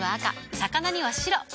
魚には白。